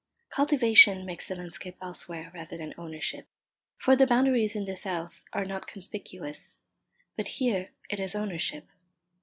Cultivation makes the landscape elsewhere, rather than ownership, for the boundaries in the south are not conspicuous; but here it is ownership.